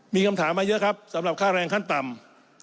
มีคำถามมาเยอะครับสำหรับค่าแรงขั้นต่ำ